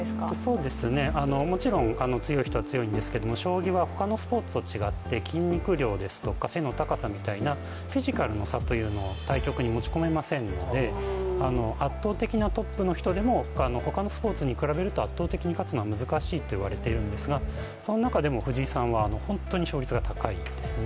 そうですね、もちろん強い人は強いんですけれども将棋は他のスポーツと違って筋肉量ですとか、背の高さみたいな、フィジカルの差を対局に持ち込めませんので、圧倒的なトップの人でも他のスポーツに比べると圧倒的に勝つのは難しいといわれてるんですがその中でも藤井さんは本当に勝率が高いですね。